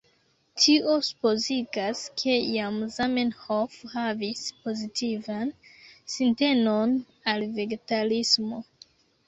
Tio supozigas, ke jam Zamenhof havis pozitivan sintenon al vegetarismo.